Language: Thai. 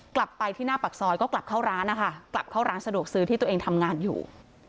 กลับไปที่หน้าปากซอยก็กลับเข้าร้านนะคะกลับเข้าร้านสะดวกซื้อที่ตัวเองทำงานอยู่